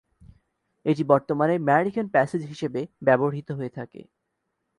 এটি বর্তমানে "American passage" হিসেবে ব্যবহৃত হয়ে থাকে।